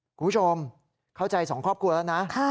คุณผู้ชมเข้าใจสองครอบครัวแล้วนะ